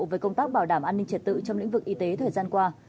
về công tác bảo đảm an ninh trật tự trong lĩnh vực y tế thời gian qua